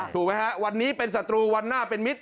ถูกไหมฮะวันนี้เป็นศัตรูวันหน้าเป็นมิตร